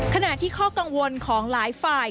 ขณะที่ข้อกังวลของหลายฝ่าย